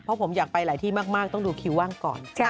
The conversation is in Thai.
เพราะผมอยากไปหลายที่มากต้องดูคิวว่างก่อน